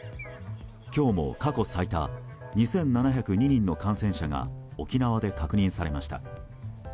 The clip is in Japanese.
今日も過去最多２７０２人の感染者が沖縄で確認されました。